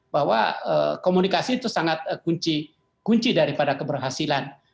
bahwa komunikasi itu sangat kunci daripada keberhasilan